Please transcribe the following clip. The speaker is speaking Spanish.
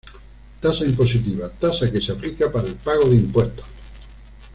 Tasa impositiva: Tasa que se aplica para el pago de impuestos.